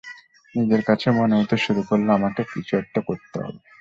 নিজের কাছে মনে হতে শুরু করল আমাকে একটা কিছু করতে হবে।